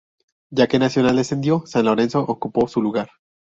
Ya que Nacional descendió, San Lorenzo ocupó su lugar.